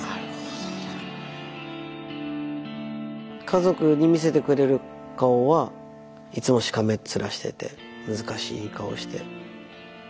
家族に見せてくれる顔はいつもしかめっ面してて難しい顔して。